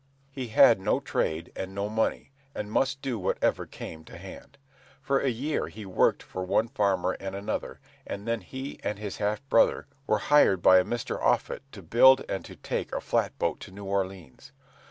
He had no trade, and no money, and must do whatever came to hand. For a year he worked for one farmer and another, and then he and his half brother were hired by a Mr. Offutt to build and take a flat boat to New Orleans.